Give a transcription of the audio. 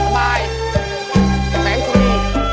แฟนคุณอี